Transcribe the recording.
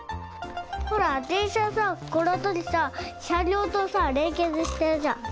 ほらでんしゃさこのあたりさしゃりょうとされんけつしてるじゃん。